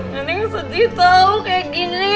neneknya sedih tau kayak gini